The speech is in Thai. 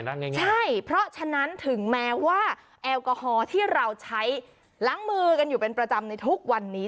นั่นไงใช่เพราะฉะนั้นถึงแม้ว่าแอลกอฮอล์ที่เราใช้ล้างมือกันอยู่เป็นประจำในทุกวันนี้